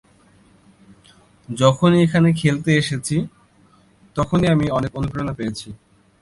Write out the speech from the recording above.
যখনই এখানে খেলতে এসেছি, তখনই আমি অনেক অনুপ্রেরণা পেয়েছি।